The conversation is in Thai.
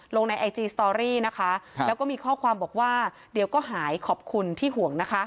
ลงในไอจีสตอรี่นะคะแล้วก็มีข้อความบอกว่าเดี๋ยวก็หายขอบคุณที่ห่วงนะคะ